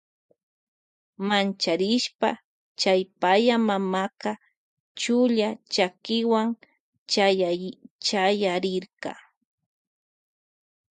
Mancharishpa chay paya mamaka chulla chakiwan chayarirka.